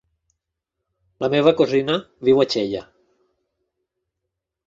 La meva cosina viu a Xella.